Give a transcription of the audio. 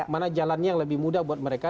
mana jalannya yang lebih mudah buat mereka